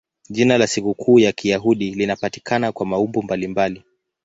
Jina la sikukuu ya Kiyahudi linapatikana kwa maumbo mbalimbali.